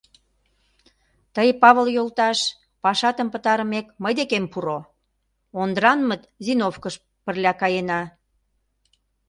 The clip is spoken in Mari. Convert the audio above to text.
— Тый, Павыл йолташ, пашатым пытарымек, мый декем пуро; Ондранмыт зимовкыш пырля каена.